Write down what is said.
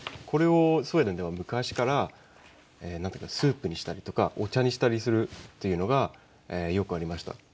これをスウェーデンでは昔からスープにしたりとかお茶にしたりするというのがよくありました。